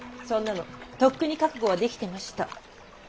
そんなのとっくに覚悟はできてました。